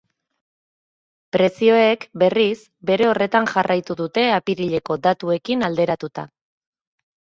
Prezioek, berriz, bere horretan jarraitu dute apirileko datuekin alderatuta.